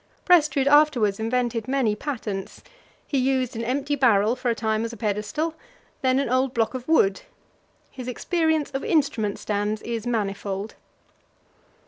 Prestrud afterwards invented many patents; he used an empty barrel for a time as a pedestal, then an old block of wood. His experience of instrument stands is manifold.